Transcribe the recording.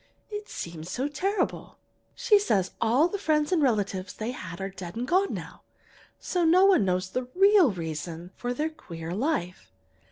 It seemed so terrible. "She says all the friends and relatives they had are dead and gone now, so no one knows the real reason for their queer life.